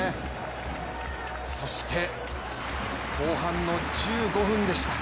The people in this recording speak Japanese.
そして後半の１５分でした。